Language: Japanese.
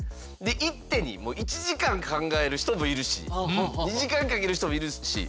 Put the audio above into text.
一手に１時間考える人もいるし２時間かける人もいるし。